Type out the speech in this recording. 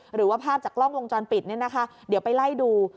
หรือว่าภาพจากกล้องวงจรปิดเนี่ยนะคะเดี๋ยวไปไล่ดู